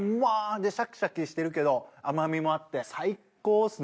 でシャキシャキしてるけど甘みもあって最高っすね